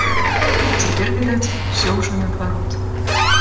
Цяпер, відаць, усё ўжо наадварот.